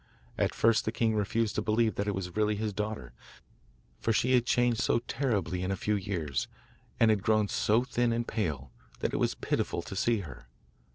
At first the king refused to believe that it was really his daughter, for she had changed so terribly in a few years, and had grown so thin and pale, that it was pitiful to see her.